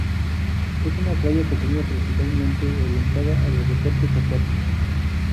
Es una playa pequeña, principalmente orientada a los deportes acuáticos.